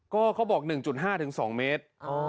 ก็เขาบอกหนึ่งจุดห้าถึงสองเมตร